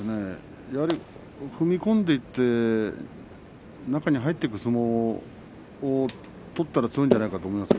踏み込んでいって中に入っていく相撲を取ったら強いんではないかと思うんです。